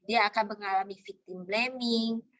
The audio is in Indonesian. dia akan mengalami victim blaming